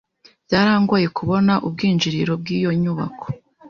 Byarangoye kubona ubwinjiriro bwiyo nyubako.